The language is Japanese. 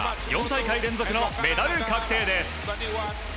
４大会連続のメダル確定です！